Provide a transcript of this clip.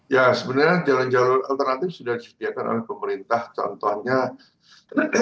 ya sebenarnya jalur jalur alternatif sudah disediakan oleh pemerintah